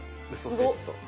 すごっ！